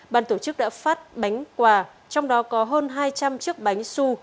ban tổ chức đã phát bánh quà trong đó có hơn hai trăm linh chiếc bánh su